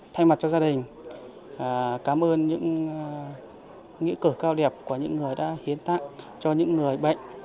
thay mặt cho gia đình cảm ơn những nghĩa cử cao đẹp của những người đã hiến tạng cho những người bệnh